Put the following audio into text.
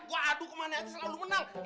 gue adu kemana mana selalu menang